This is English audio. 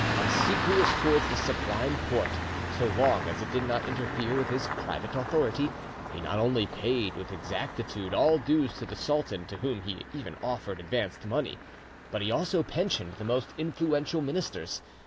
Obsequious towards the Sublime Porte, so long as it did not interfere with his private authority, he not only paid with exactitude all dues to the sultan, to whom he even often advanced money, but he also pensioned the most influential ministers.